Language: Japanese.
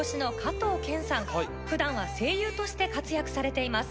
普段は声優として活躍されています。